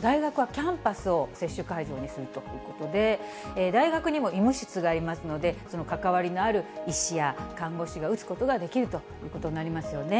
大学はキャンパスを接種会場にするということで、大学にも医務室がありますので、その関わりのある医師や看護師が打つことができるということになりますよね。